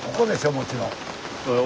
もちろん。